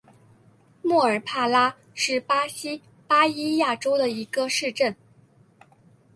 莫尔帕拉是巴西巴伊亚州的一个市镇。